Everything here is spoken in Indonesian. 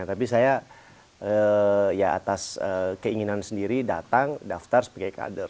tapi saya ya atas keinginan sendiri datang daftar sebagai kader